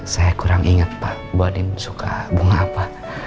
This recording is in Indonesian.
saya kurang inget pak buatin suka bunga apa